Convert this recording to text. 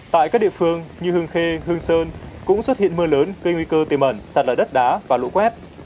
tại các địa phương như hương khê hương sơn cũng xuất hiện mưa lớn gây nguy cơ tiềm ẩn sạt lở đất đá và lũ quét